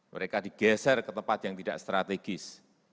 mereka digeser ke tempat yang tidak strategis